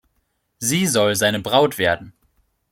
Sie soll seine Braut werden.